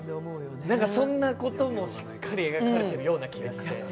そんなこともしっかり描かれてるような気がして。